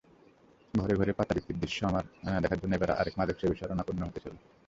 ঘরে ঘরে পাতা বিক্রির দৃশ্য দেখার জন্য এবার আরেক মাদকসেবীর শরণাপন্ন হতে হলো।